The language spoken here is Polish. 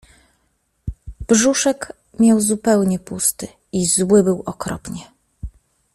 Brzuszek miał zupełnie pusty i zły był okropnie.